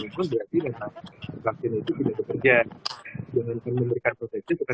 imun berarti vaksin itu tidak bekerja dengan memberikan proteksi respon imun